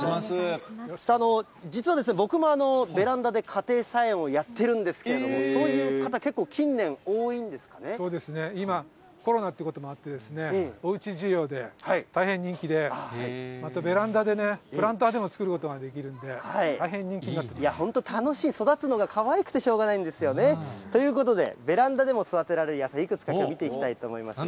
実は僕もベランダで家庭菜園をやってるんですけども、そういう方、結構、近年、多いんですかそうですね、今、コロナということもあってですね、おうち需要で大変人気で、またベランダでね、プランターでも作ることができるので、大変人気にな本当、楽しい、育つのがかわいくてしょうがないんですよね。ということで、ベランダでも育てられる野菜、いくつか見ていきたいと思います。